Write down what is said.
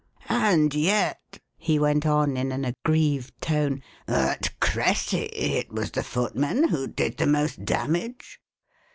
And yet," he went on in an aggrieved tone, at Cressy it was the footmen who did the most damage."